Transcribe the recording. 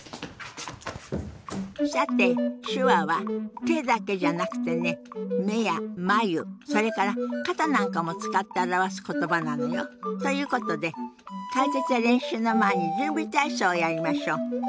さて手話は手だけじゃなくてね目や眉それから肩なんかも使って表す言葉なのよ。ということで解説や練習の前に準備体操をやりましょう。